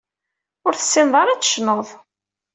Ur tessineḍ ara ad tecnuḍ.